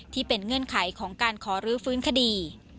เงื่อนไขของการขอรื้อฟื้นคดี